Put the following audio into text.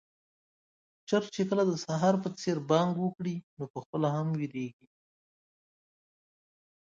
چرګ چې کله د سهار په څېر بانګ وکړي، نو پخپله هم وېريږي.